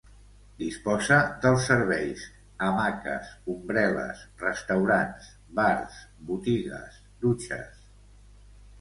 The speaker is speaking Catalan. Disposa dels serveis: hamaques, ombrel·les, restaurants, bars, botiges, dutxes.